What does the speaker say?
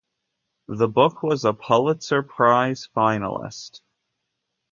This book was a Pulitzer Prize Finalist.